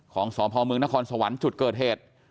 ของสพมนสวรรค์จุดเกิดเหตุ